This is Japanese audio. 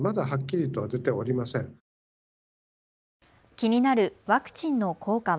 気になるワクチンの効果は。